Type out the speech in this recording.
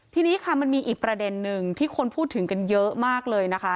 ทีนี้ค่ะมันมีอีกประเด็นนึงที่คนพูดถึงกันเยอะมากเลยนะคะ